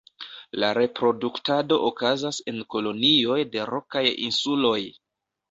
La reproduktado okazas en kolonioj de rokaj insuloj.